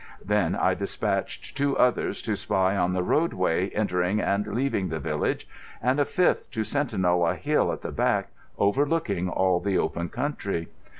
Then I dispatched two others to spy on the roadway entering and leaving the village, and a fifth to sentinel a hill at the back overlooking all the open country.